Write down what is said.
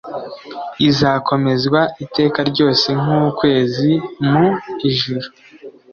Izakomezwa iteka ryose nk ukwezi Mu ijuru